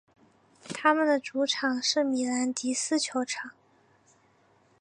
他们的主场是米兰迪斯球场。